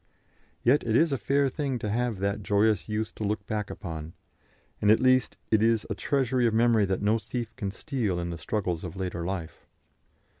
Yet it is a fair thing to have that joyous youth to look back upon, and at least it is a treasury of memory that no thief can steal in the struggles of later life.